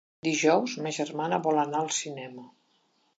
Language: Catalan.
Dijous ma germana vol anar al cinema.